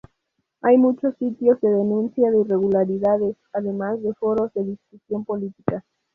Hay muchos sitios de denuncia de irregularidades, además de foros de discusión política.